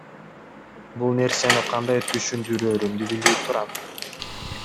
Бул нерсени кандай түшүндүрөөрүмдү билбей турам.